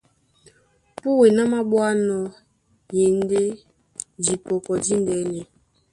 Púe ná māɓwánɔ́ í e ndé dipɔkɔ díndɛ́nɛ.